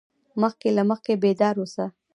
مخکې له مخکې بیدار اوسه.